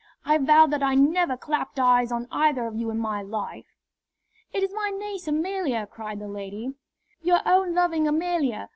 I vow that I never clapped eyes on either of you in my life!" "It is my niece Amelia," cried the lady, "your own loving Amelia!